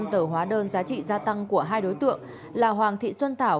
năm tờ hóa đơn giá trị gia tăng của hai đối tượng là hoàng thị xuân tảo